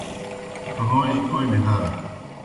ڇھوݩجیْ کوْمی ہرہ۔